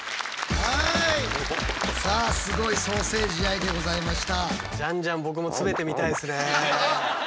はいさあすごいソーセージ愛でございました。